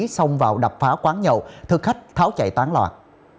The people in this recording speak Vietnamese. xong vào đập phá quán nhậu thực khách tháo chạy toán loạn